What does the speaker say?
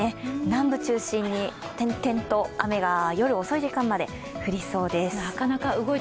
南部中心に転々と雨が夜遅い時間まで降りそうです。